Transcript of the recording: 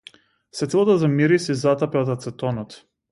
Сетилото за мирис ѝ затапе од ацетонот.